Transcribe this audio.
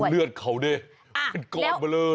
แล้วเลือดเขาเนี่ยเป็นกรอบเบลอเลย